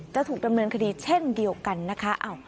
จะถูกดำเนินคดีเช่นเดียวกันนะคะ